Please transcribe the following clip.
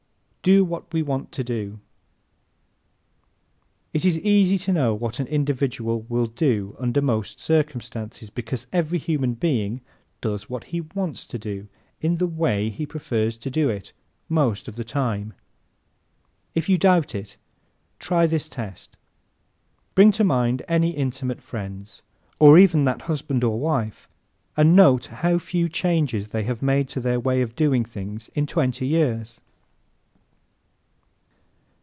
Do What We Want to Do ¶ It is easy to know what an individual will do under most circumstances because every human being does what he wants to do in the way he prefers to do it most of the time. If you doubt it try this test: bring to mind any intimate friends, or even that husband or wife, and note how few changes they have made in their way of doing things in twenty years!